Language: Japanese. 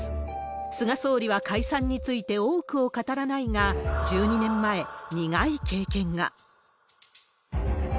菅総理は解散について多くを語らないが、１２年前、苦い経験が。